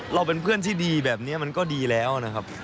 เราเป็นเพื่อนที่ดีแบบนี้มันก็ดีแล้วนะครับ